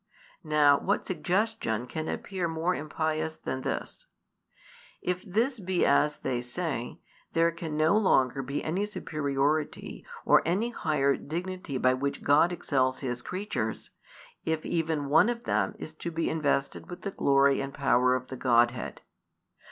Now what suggestion can appear more impious than this? If this be as they say, there can no longer be any superiority or any higher dignity by which God excels His creatures, if even one of them is to be invested with the glory and power of the Godhead.